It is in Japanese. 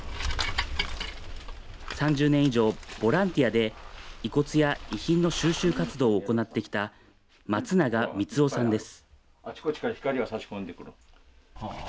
３０年以上、ボランティアで、遺骨や遺品の収集活動を行ってきた、松永光雄さんです。